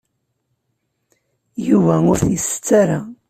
Yuba ur t-isett ara.